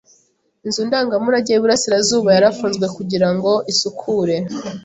Inzu ndangamurage y’iburasirazuba yarafunzwe kugira ngo isukure.